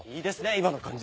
今の感じ。